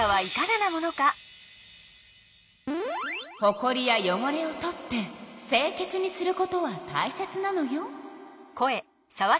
ほこりやよごれを取って清けつにすることはたいせつなのよ。